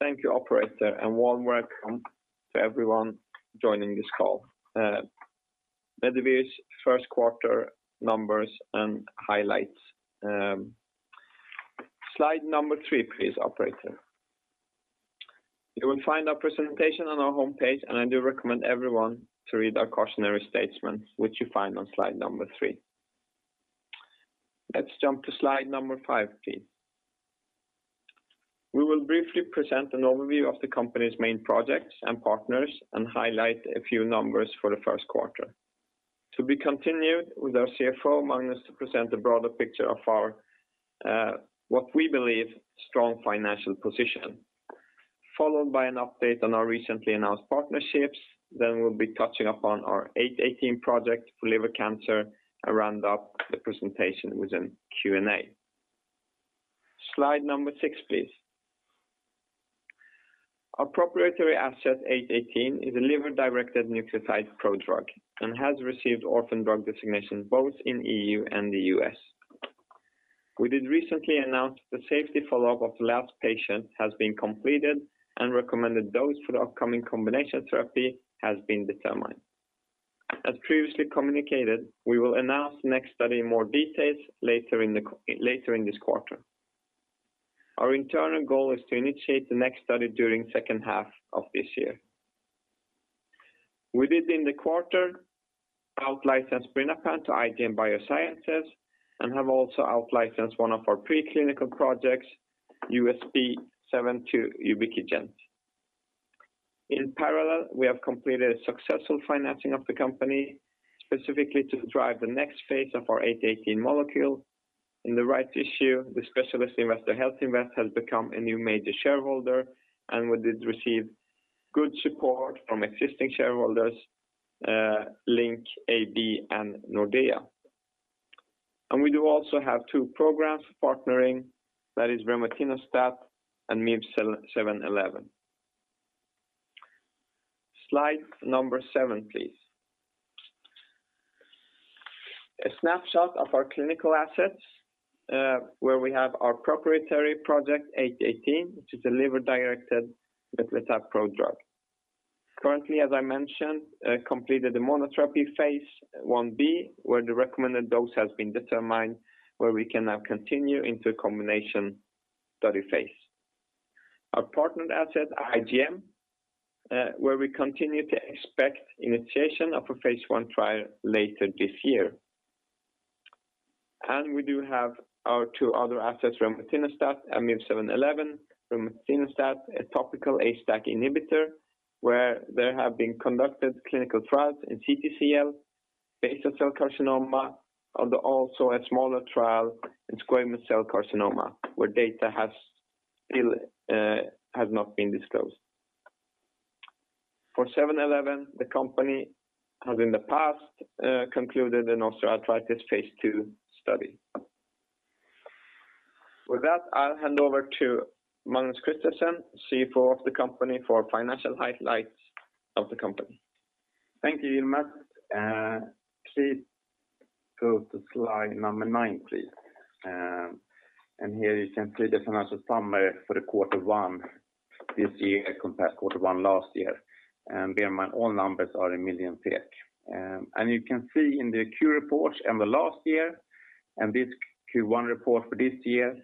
Thank you operator, and warm welcome to everyone joining this call. Medivir's first quarter numbers and highlights. Slide number three please, operator. You will find our presentation on our homepage. I do recommend everyone to read our cautionary statement, which you find on slide number three. Let's jump to slide number five, please. We will briefly present an overview of the company's main projects and partners and highlight a few numbers for the first quarter. To be continued with our CFO, Magnus, to present the broader picture of what we believe strong financial position, followed by an update on our recently announced partnerships. We'll be touching upon our 818 project for liver cancer and round up the presentation with an Q&A. Slide number six, please. Our proprietary asset 818 is a liver-directed nucleoside prodrug and has received orphan drug designation both in EU and the U.S. We did recently announce the safety follow-up of the last patient has been completed and recommended dose for the upcoming combination therapy has been determined. As previously communicated, we will announce the next study in more details later in this quarter. Our internal goal is to initiate the next study during second half of this year. We did in the quarter out-license birinapant to IGM Biosciences and have also out-licensed one of our preclinical projects, USP7 to Ubiquigent. In parallel, we have completed successful financing of the company, specifically to drive the next phase of our MIV-818 molecule. In the rights issue, the specialist investor HealthInvest has become a new major shareholder. We did receive good support from existing shareholders, LINC AB and Nordea. We do also have two programs partnering, that is remetinostat and MIV-711. Slide number seven, please. A snapshot of our clinical assets, where we have our proprietary project MIV-818, which is a liver-directed nucleoside prodrug. Currently, as I mentioned, completed the monotherapy phase I-B, where the recommended dose has been determined, where we can now continue into combination study phase. Our partnered asset at IGM, where we continue to expect initiation of a phase I trial later this year. We do have our two other assets, remetinostat and MIV-711. Remetinostat, a topical HDAC inhibitor, where there have been conducted clinical trials in CTCL basal cell carcinoma, and also a smaller trial in squamous cell carcinoma, where data has not been disclosed. For MIV-711, the company has in the past concluded an osteoarthritis phase II study. With that, I'll hand over to Magnus Christensen, CFO of the company, for financial highlights of the company. Thank you, Yilmaz. Go to slide number nine, please. Here you can see the financial summary for the quarter one this year compared to quarter one last year. Bear in mind, all numbers are in million SEK. You can see in the Q report in the last year, and this Q1 report for this year,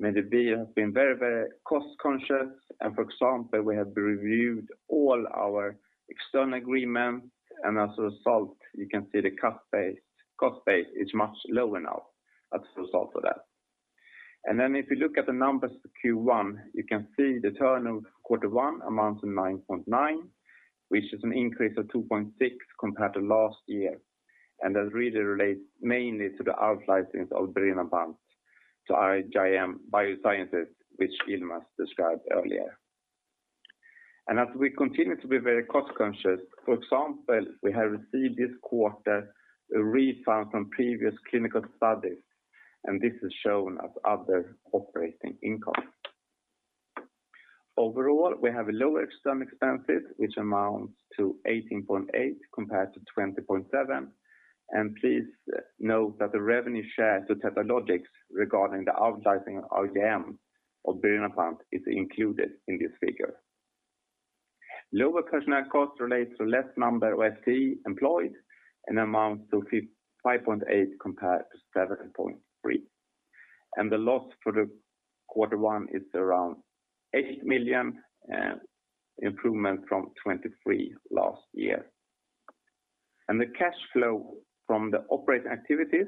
Medivir has been very cost-conscious. For example, we have reviewed all our external agreements. As a result, you can see the cost base is much lower now as a result of that. If you look at the numbers for Q1, you can see the turnover for quarter one amounts to 9.9, which is an increase of 2.6 compared to last year. That really relates mainly to the out-license of birinapant to IGM Biosciences, which Yilmaz described earlier. As we continue to be very cost-conscious, for example, we have received this quarter a refund from previous clinical studies, and this is shown as other operating income. Overall, we have a lower external expenses, which amounts to 18.8 compared to 20.7. Please note that the revenue share to TetraLogic regarding the out-licensing of IGM of birinapant is included in this figure. Lower personnel costs relates to less number of FTE employed and amounts to 5.8 compared to 7.3. The loss for the quarter one is around 8 million, improvement from 23 last year. The cash flow from the operating activities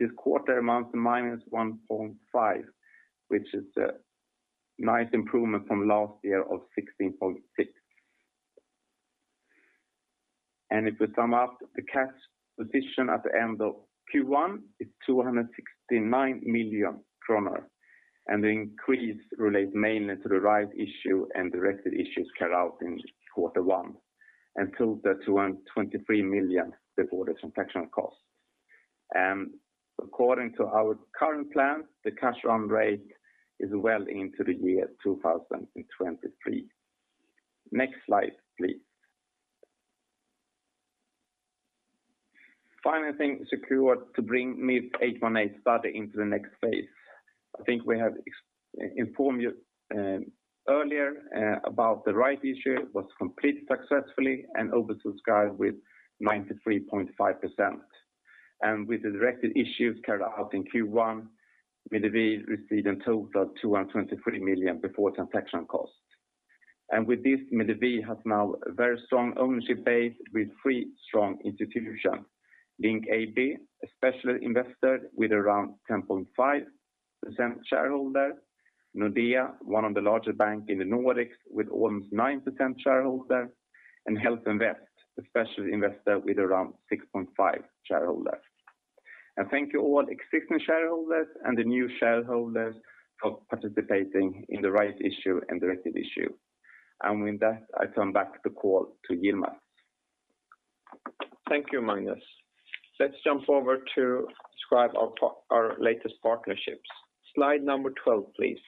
this quarter amounts to minus 1.5, which is a nice improvement from last year of 16.6. If we sum up the cash position at the end of Q1 is 269 million kronor, the increase relates mainly to the right issue and the rights issues carried out in quarter one, to the SEK 223 million before the subtraction cost. According to our current plan, the cash burn rate is well into 2023. Next slide, please. Final thing secured to bring MIV-818 study into the next phase. I think we have informed you earlier about the right issue was completed successfully and oversubscribed with 93.5%. With the directed issues carried out in Q1, Medivir received a total of 223 million before transaction cost. With this, Medivir has now a very strong ownership base with three strong institutions. LINC AB, a special investor with around 10.5% shareholder. Nordea, one of the larger bank in the Nordics with almost 9% shareholder. HealthInvest, a special investor with around 6.5 shareholder. Thank you all existing shareholders and the new shareholders for participating in the rights issue and directed issue. With that, I turn back the call to Yilmaz. Thank you, Magnus. Let's jump over to describe our latest partnerships. Slide number 12, please.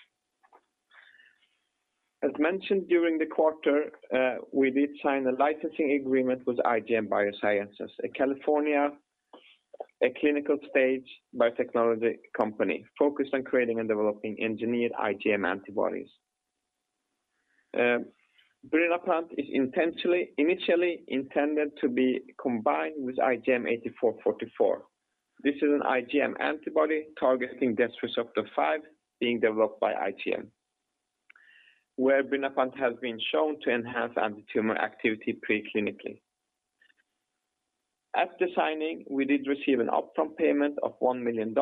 As mentioned during the quarter, we did sign a licensing agreement with IGM Biosciences, a California clinical stage biotechnology company focused on creating and developing engineered IgM antibodies. Birinapant is initially intended to be combined with IGM-8444. This is an IgM antibody targeting death receptor 5 being developed by IGM, where birinapant has been shown to enhance antitumor activity pre-clinically. At the signing, we did receive an upfront payment of $1 million,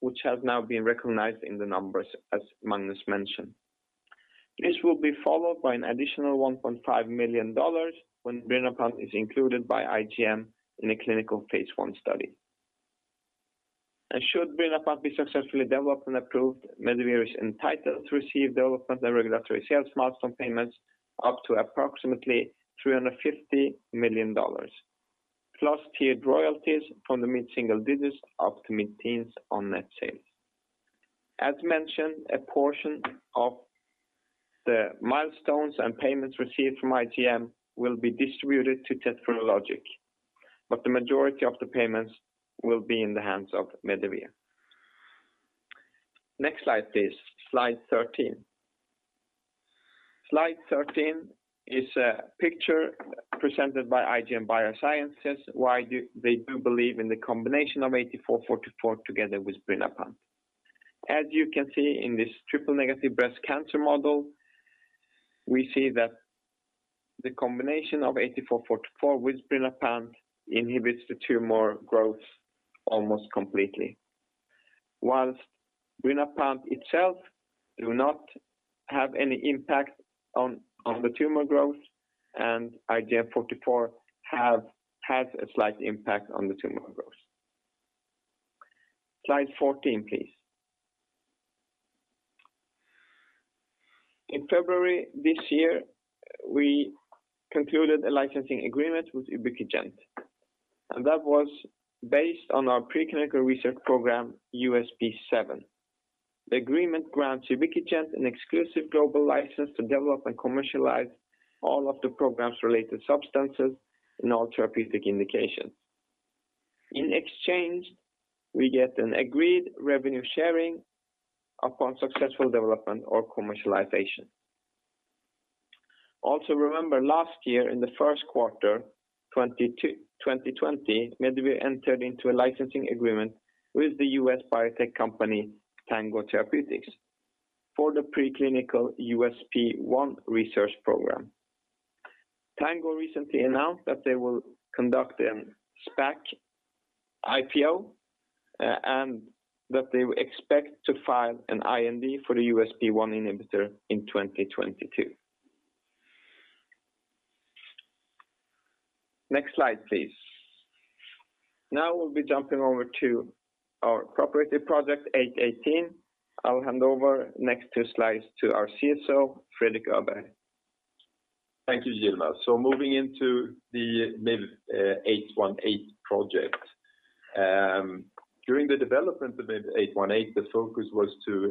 which has now been recognized in the numbers, as Magnus mentioned. This will be followed by an additional $1.5 million when birinapant is included by IGM in a clinical phase I study. Should birinapant be successfully developed and approved, Medivir is entitled to receive development and regulatory sales milestone payments up to approximately $350 million, plus tiered royalties from the mid-single digits up to mid-teens on net sales. As mentioned, a portion of the milestones and payments received from IGM will be distributed to TetraLogic, the majority of the payments will be in the hands of Medivir. Next slide, please. Slide 13. Slide 13 is a picture presented by IGM Biosciences, why they do believe in the combination of 8444 together with birinapant. As you can see in this triple-negative breast cancer model, we see that the combination of 8444 with birinapant inhibits the tumor growth almost completely. While birinapant itself do not have any impact on the tumor growth, 8444 has a slight impact on the tumor growth. Slide 14, please. In February this year, we concluded a licensing agreement with Ubiquigent. That was based on our preclinical research program, USP7. The agreement grants Ubiquigent an exclusive global license to develop and commercialize all of the programs related substances in all therapeutic indications. In exchange, we get an agreed revenue sharing upon successful development or commercialization. Also remember last year in the first quarter 2020, Medivir entered into a licensing agreement with the US biotech company Tango Therapeutics for the preclinical USP1 research program. Tango recently announced that they will conduct an SPAC IPO. They expect to file an IND for the USP1 inhibitor in 2022. Next slide, please. Now we'll be jumping over to our proprietary project MIV-818. I'll hand over next two slides to our CSO, Fredrik Uhlén. Thank you, Yilmaz. Moving into the MIV-818 project. During the development of MIV-818, the focus was to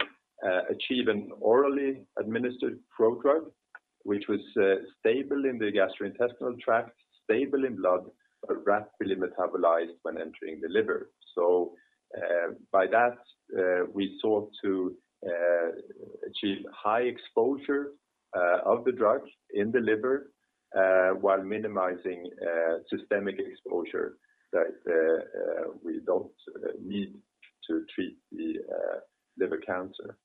achieve an orally administered prodrug, which was stable in the gastrointestinal tract, stable in blood, but rapidly metabolized when entering the liver. By that, we sought to achieve high exposure of the drug in the liver while minimizing systemic exposure that we don't need to treat the liver cancer.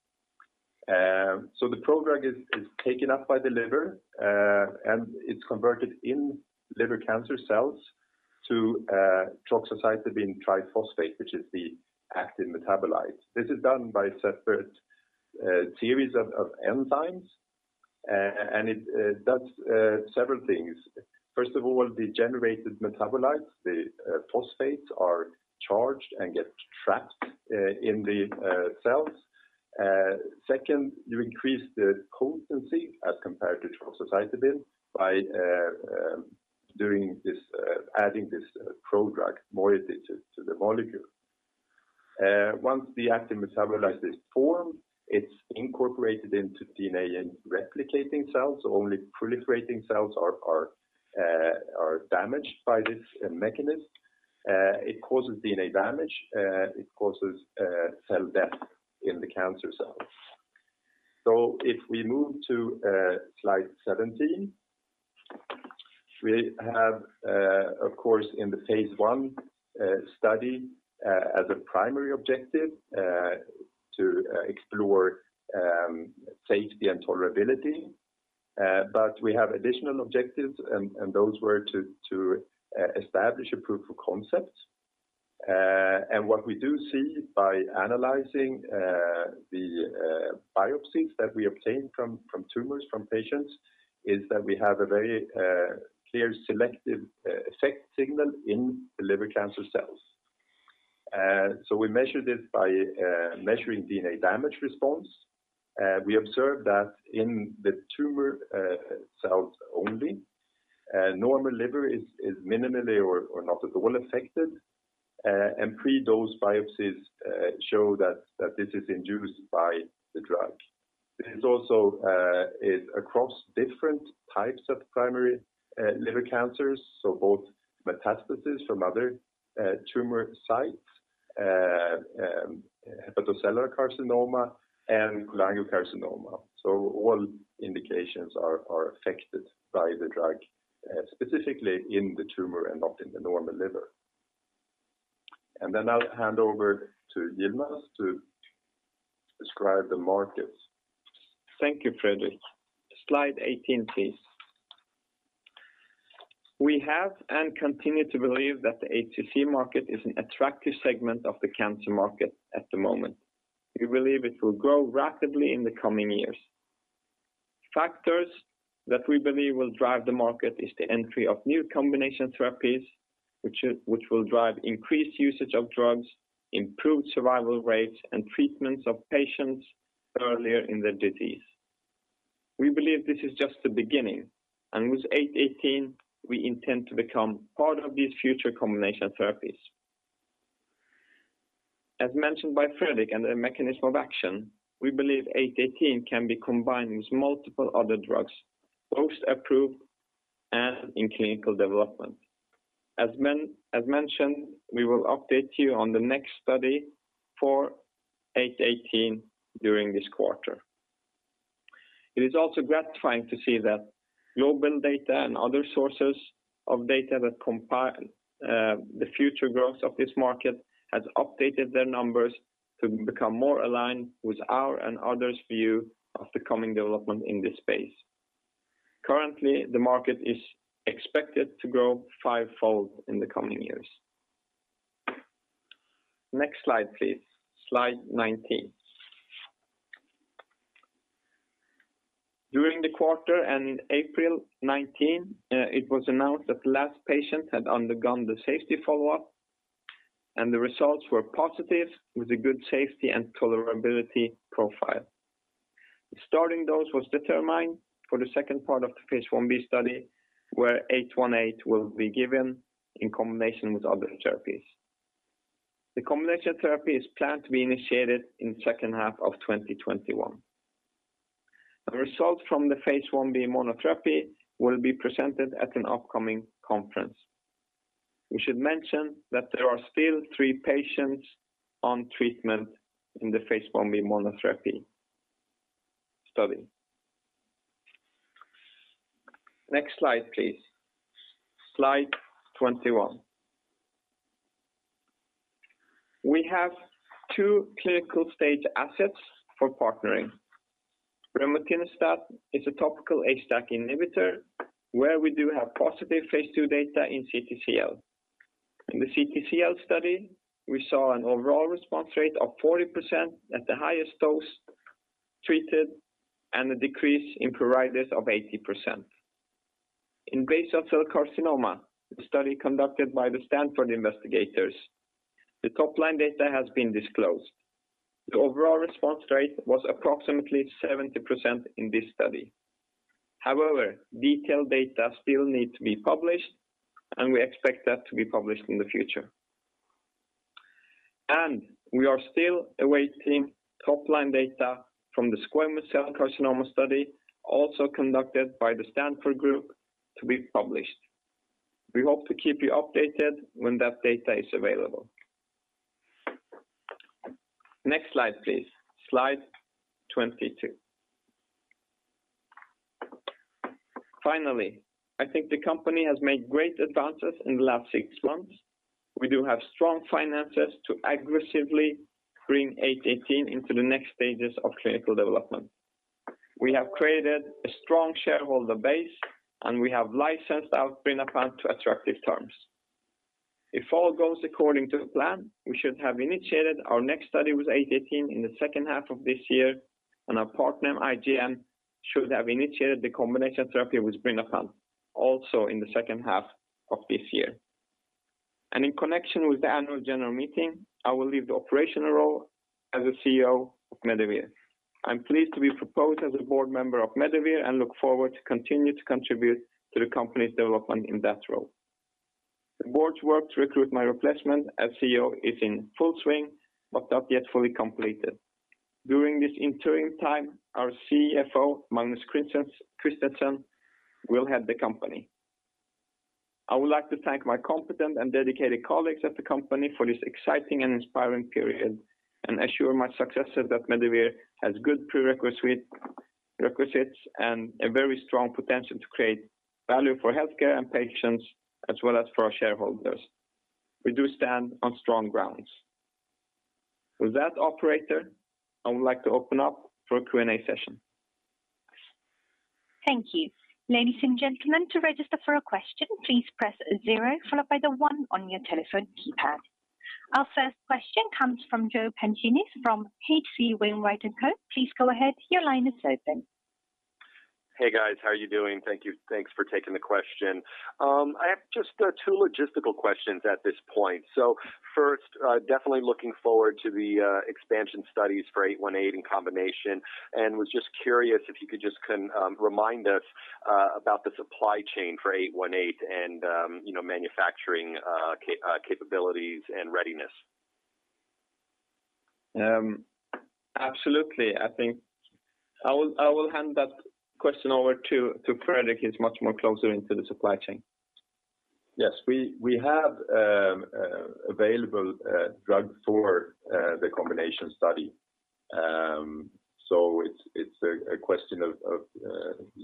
The prodrug is taken up by the liver, and it's converted in liver cancer cells to troxacitabine triphosphate, which is the active metabolite. This is done by separate series of enzymes, and it does several things. First of all, the generated metabolites, the phosphates are charged and get trapped in the cells. Second, you increase the potency as compared to troxacitabine by adding this prodrug moiety to the molecule. Once the active metabolite is formed, it's incorporated into DNA in replicating cells. Only proliferating cells are damaged by this mechanism. It causes DNA damage. It causes cell death in the cancer cells. If we move to slide 17, we have, of course, in the phase I study, as a primary objective, to explore safety and tolerability. We have additional objectives, and those were to establish a proof of concept. What we do see by analyzing the biopsies that we obtain from tumors from patients is that we have a very clear selective effect signal in the liver cancer cells. We measure this by measuring DNA damage response. We observe that in the tumor cells only. Normal liver is minimally or not at all affected. Pre-dose biopsies show that this is induced by the drug. This also is across different types of primary liver cancers, so both metastasis from other tumor sites, hepatocellular carcinoma, and cholangiocarcinoma. All indications are affected by the drug, specifically in the tumor and not in the normal liver. I'll hand over to Yilmaz to describe the markets. Thank you, Fredrik. Slide 18, please. We have and continue to believe that the HCC market is an attractive segment of the cancer market at the moment. We believe it will grow rapidly in the coming years. Factors that we believe will drive the market is the entry of new combination therapies, which will drive increased usage of drugs, improved survival rates, and treatments of patients earlier in their disease. We believe this is just the beginning, and with MIV-818, we intend to become part of these future combination therapies. As mentioned by Fredrik and the mechanism of action, we believe MIV-818 can be combined with multiple other drugs, both approved and in clinical development. As mentioned, we will update you on the next study for MIV-818 during this quarter. It is also gratifying to see that GlobalData and other sources of data that compile the future growth of this market has updated their numbers to become more aligned with our and others' view of the coming development in this space. Currently, the market is expected to grow fivefold in the coming years. Next slide, please. Slide 19. During the quarter and in April 19, it was announced that the last patient had undergone the safety follow-up, and the results were positive with a good safety and tolerability profile. The starting dose was determined for the second part of the phase I-B study, where MIV-818 will be given in combination with other therapies. The combination therapy is planned to be initiated in the second half of 2021. The results from the phase I-B monotherapy will be presented at an upcoming conference. We should mention that there are still three patients on treatment in the phase I-B monotherapy study. Next slide, please. Slide 21. We have two clinical stage assets for partnering. Remetinostat is a topical HDAC inhibitor, where we do have positive phase II data in CTCL. In the CTCL study, we saw an overall response rate of 40% at the highest dose treated and a decrease in pruritus of 80%. In basal cell carcinoma, the study conducted by the Stanford investigators, the top-line data has been disclosed. The overall response rate was approximately 70% in this study. However, detailed data still need to be published, and we expect that to be published in the future. We are still awaiting top-line data from the squamous cell carcinoma study, also conducted by the Stanford group, to be published. We hope to keep you updated when that data is available. Next slide, please. Slide 22. Finally, I think the company has made great advances in the last six months. We do have strong finances to aggressively bring MIV-818 into the next stages of clinical development. We have created a strong shareholder base. We have licensed out birinapant to attractive terms. If all goes according to plan, we should have initiated our next study with MIV-818 in the second half of this year, and our partner, IGM, should have initiated the combination therapy with birinapant also in the second half of this year. In connection with the annual general meeting, as a CEO of Medivir, I'm pleased to be proposed as a board member of Medivir and look forward to continue to contribute to the company's development in that role. The board's work to recruit my replacement as CEO is in full swing, but not yet fully completed. During this interim time, our CFO, Magnus Christensen, will head the company. I would like to thank my competent and dedicated colleagues at the company for this exciting and inspiring period, and assure my successors that Medivir has good prerequisites and a very strong potential to create value for healthcare and patients, as well as for our shareholders. We do stand on strong grounds. With that, operator, I would like to open up for a Q&A session. Thank you. Ladies and gentlemen, to register for a question, please press zero followed by the one on your telephone keypad. Our first question comes from Joe Pantginis from H.C. Wainwright & Co. Please go ahead, your line is open. Hey, guys. How are you doing? Thank you. Thanks for taking the question. I have just two logistical questions at this point. First, definitely looking forward to the expansion studies for MIV-818 in combination, and was just curious if you could just remind us about the supply chain for MIV-818 and manufacturing capabilities and readiness. Absolutely. I think I will hand that question over to Fredrik. He's much more closer into the supply chain. Yes. We have available drug for the combination study. It's a question of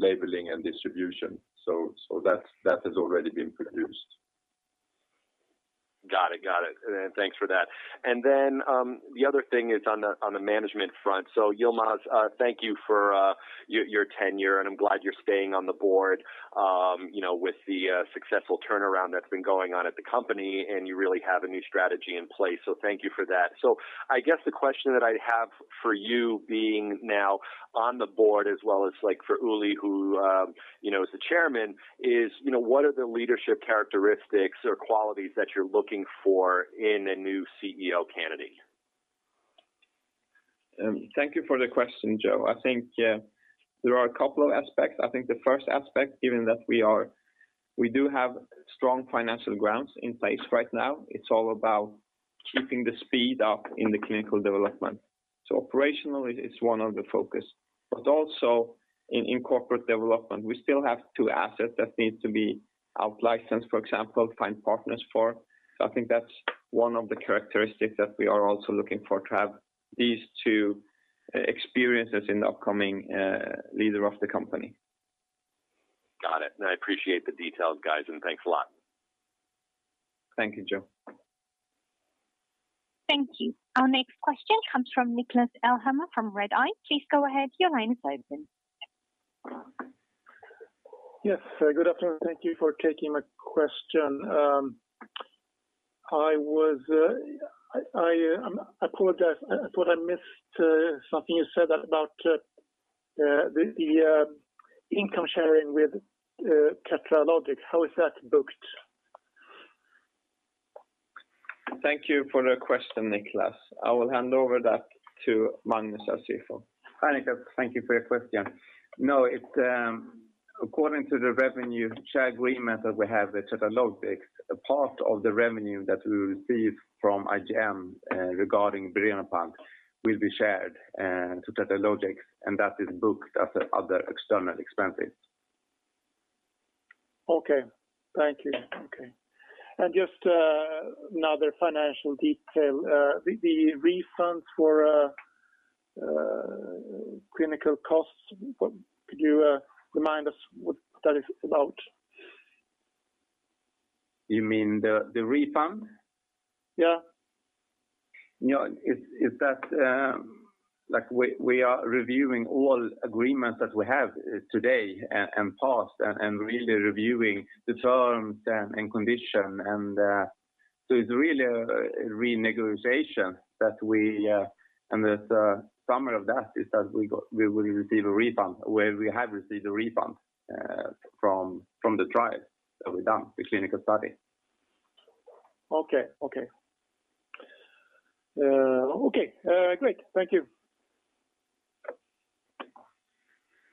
labeling and distribution. That has already been produced. Got it. Thanks for that. The other thing is on the management front. Yilmaz, thank you for your tenure, and I'm glad you're staying on the board with the successful turnaround that's been going on at the company, and you really have a new strategy in place. Thank you for that. I guess the question that I have for you being now on the board as well as for Uli, who is the Chairman is, what are the leadership characteristics or qualities that you're looking for in a new CEO candidate? Thank you for the question, Joe Pantginis. I think there are a couple of aspects. I think the first aspect, given that we do have strong financial grounds in place right now, it's all about keeping the speed up in the clinical development. Operationally, it's one of the focus, but also in corporate development. We still have two assets that need to be out-licensed, for example, find partners for. I think that's one of the characteristics that we are also looking for, to have these two experiences in the upcoming leader of the company. Got it. I appreciate the details, guys, and thanks a lot. Thank you, Joe. Thank you. Our next question comes from Niklas Elmhammer from Redeye. Please go ahead. Your line is open. Yes. Good afternoon. Thank you for taking my question. I apologize. I thought I missed something you said about the income sharing with TetraLogic. How is that booked? Thank you for the question, Niklas. I will hand over that to Magnus, our CFO. Hi, Niklas. Thank you for your question. According to the revenue share agreement that we have with TetraLogic, a part of the revenue that we will receive from IGM regarding birinapant will be shared to TetraLogic. That is booked as other external expenses. Okay. Thank you. Just another financial detail. The refunds for clinical costs, could you remind us what that is about? You mean the refund? Yeah. We are reviewing all agreements that we have today and past, and really reviewing the terms and condition. It's really a renegotiation, and the summary of that is that we will receive a refund, where we have received a refund from the trial that we've done, the clinical study. Okay. Great. Thank you. Thank you.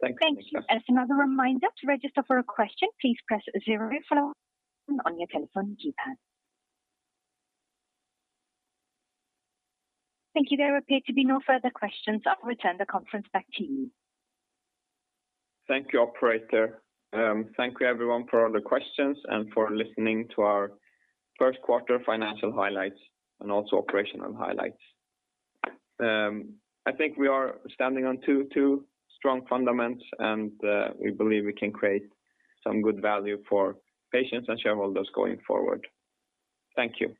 Thank you. That's another reminder to register for a question. Please press zero on your telephone keypad. Thank you. There appear to be no further questions. I'll return the conference back to you. Thank you, operator. Thank you everyone for all the questions and for listening to our first quarter financial highlights and also operational highlights. I think we are standing on two strong fundamentals, and we believe we can create some good value for patients and shareholders going forward. Thank you.